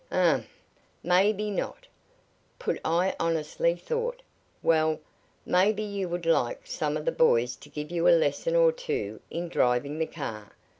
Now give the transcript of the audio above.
"Um! Maybe not. Put I honestly thought well, maybe you would like some of the boys to give you a lesson or two in driving the new car.